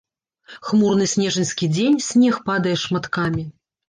Хмурны снежаньскі дзень, снег падае шматкамі.